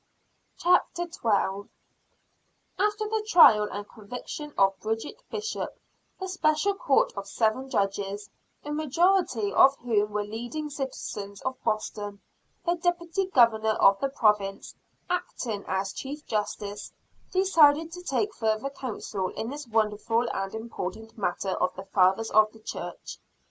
CHAPTER XII. Burn Me, or Hang Me, I Will Stand in the Truth of Christ. After the trial and conviction of Bridget Bishop, the Special Court of seven Judges a majority of whom were leading citizens of Boston, the Deputy Governor of the Province, acting as Chief Justice decided to take further counsel in this wonderful and important matter of the fathers of the church.